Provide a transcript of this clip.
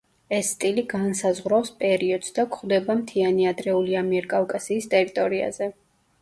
ეს სტილი განსაზღვრავს პერიოდს და გვხვდება მთიანი ადრეული ამიერკავკასიის ტერიტორიებზე.